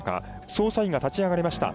捜査員が立ち上がりました。